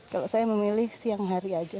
kalau saya memilih siang hari aja